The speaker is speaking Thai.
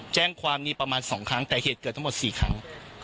แจ้งความนี้ประมาณ๒ครั้งแต่เหตุเกิดทั้งหมด๔ครั้ง